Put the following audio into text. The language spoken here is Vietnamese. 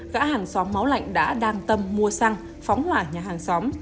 cả hàng xóm máu lạnh đã đàn tâm mua xăng phóng hỏa nhà hàng xóm